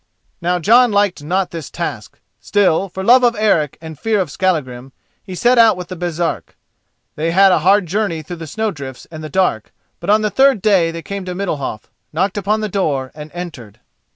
Now Jon liked not this task; still, for love of Eric and fear of Skallagrim, he set out with the Baresark. They had a hard journey through the snow drifts and the dark, but on the third day they came to Middalhof, knocked upon the door and entered.